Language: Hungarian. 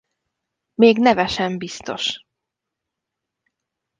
Még neve sem biztos.